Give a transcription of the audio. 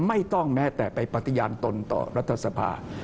ไม่ต้องแม้แต่ไปปฏิญาณตนต่อรัฐธรรมนุนการ